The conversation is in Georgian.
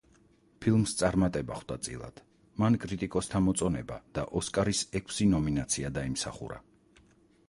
ფილმს წარმატება ხვდა წილად, მან კრიტიკოსთა მოწონება და ოსკარის ექვსი ნომინაცია დაიმსახურა.